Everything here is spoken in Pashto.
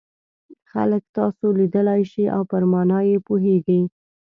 خلک تاسو لیدلای شي او پر مانا یې پوهیږي.